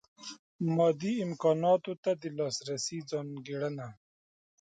مادي امکاناتو ته د لاسرسۍ ځانګړنه.